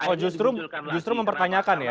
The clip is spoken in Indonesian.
oh justru mempertanyakan ya